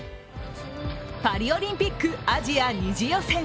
パリオリンピック・アジア２次予選。